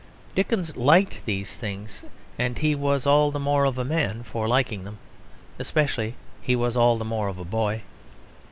Dickens liked these things and he was all the more of a man for liking them; especially he was all the more of a boy.